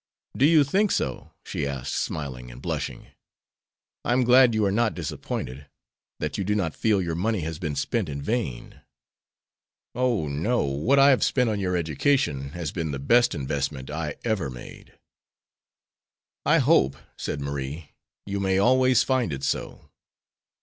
"Do you think so?" she asked, smiling and blushing. "I am glad you are not disappointed; that you do not feel your money has been spent in vain." "Oh, no, what I have spent on your education has been the best investment I ever made." "I hope," said Marie, "you may always find it so.